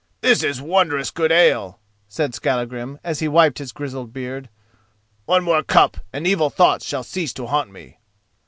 "This is wondrous good ale," said Skallagrim as he wiped his grizzled beard. "One more cup, and evil thoughts shall cease to haunt me." [*] "Health! health!"